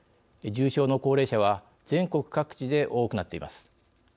重症の高齢者は全国各地で多くなっています。